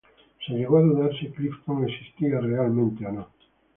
Se llegó a dudar si "Clifton" existía realmente o no.